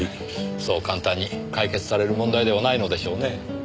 そう簡単に解決される問題ではないのでしょうねえ。